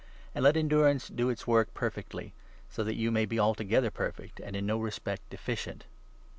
And let endurance ^4 do its work perfectly, so that you may be altogether perfect, and in no respect deficient.